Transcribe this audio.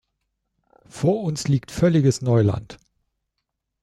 Vor uns liegt völliges Neuland.